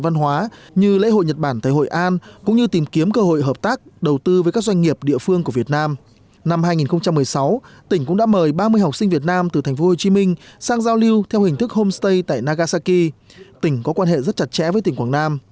năm hai nghìn một mươi sáu tỉnh cũng đã mời ba mươi học sinh việt nam từ tp hcm sang giao lưu theo hình thức homestay tại nagasaki tỉnh có quan hệ rất chặt chẽ với tỉnh quảng nam